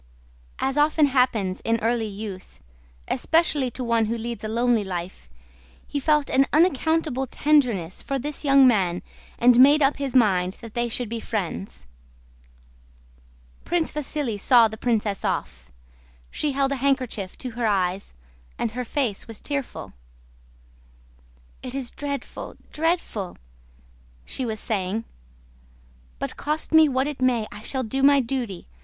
As often happens in early youth, especially to one who leads a lonely life, he felt an unaccountable tenderness for this young man and made up his mind that they would be friends. Prince Vasíli saw the princess off. She held a handkerchief to her eyes and her face was tearful. "It is dreadful, dreadful!" she was saying, "but cost me what it may I shall do my duty.